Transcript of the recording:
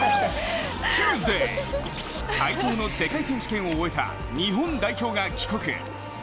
チューズデー、体操の世界選手権を終えた日本代表が帰国。